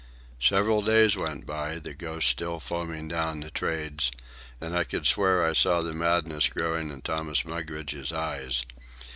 Several days went by, the Ghost still foaming down the trades, and I could swear I saw madness growing in Thomas Mugridge's eyes.